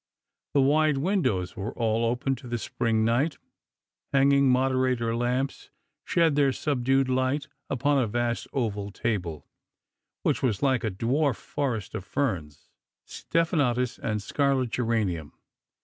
The wide windows were all open to the spring night ; hanging moderator lamps shed their subdued light upon a vast oval table, which was like a dwarf forest of ferns, stephanotis, and scarlet geranium.